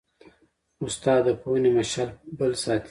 استاد د پوهنې مشعل بل ساتي.